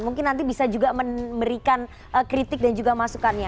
mungkin nanti bisa juga memberikan kritik dan juga masukannya